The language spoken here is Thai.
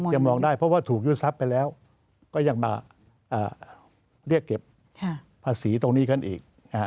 รองได้เพราะว่าถูกยึดทรัพย์ไปแล้วก็ยังมาเรียกเก็บภาษีตรงนี้กันอีก